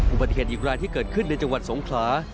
อุปสรรค์อีกรายที่เกิดขึ้นในจังหวัดสงครา